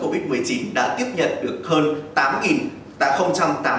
covid một mươi chín đã tiếp nhận được hơn